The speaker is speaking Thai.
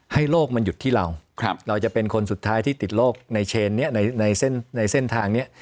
ให้โลกมันหยุดที่เราเราจะเป็นคนสุดท้ายที่ติดโรคในเชนนี้ในเส้นทางนี้